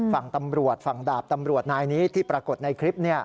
ฝั่งตำรวจฝั่งดาบตำรวจนายนี้ที่ปรากฏในคลิป